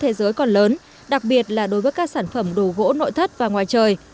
thế giới còn lớn đặc biệt là đối với các sản phẩm đồ gỗ nội thất và ngoài trời